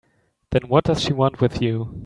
Then what does she want with you?